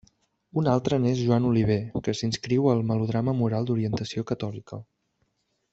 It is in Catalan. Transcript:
Un altre n'és Joan Oliver, que s'inscriu al melodrama moral d'orientació catòlica.